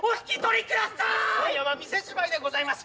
今夜は店仕舞いでございます。